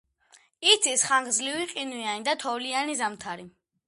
იცის ხანგრძლივი ყინვიანი და თოვლიანი ზამთარი.